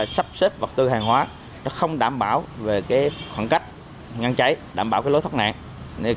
sắp xếp vật tư hàng hóa không đảm bảo về khoảng cách ngăn cháy đảm bảo lối thoát nạn